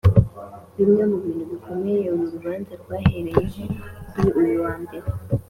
Bimwe mu bintu bikomeye uru rubanza rwahereyeho kuri uyu wa Mbere